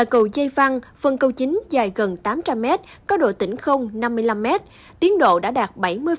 cầu dây văn phần cầu chính dài gần tám trăm linh mét có độ tỉnh không năm mươi năm mét tiến độ đã đạt bảy mươi